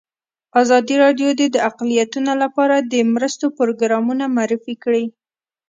ازادي راډیو د اقلیتونه لپاره د مرستو پروګرامونه معرفي کړي.